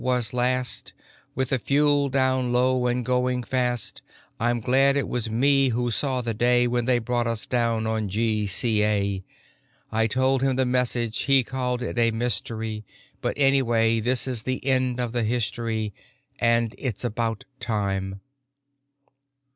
was last With the fuel down low and going fast. I'm glad it was me who saw the day When they brought us down on GCA. I told him the message; he called it a mystery, But anyway this is the end of the history. And it's about time!